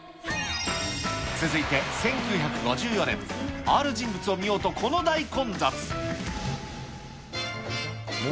続いて１９５４年、ある人物を見ようと、この大混雑。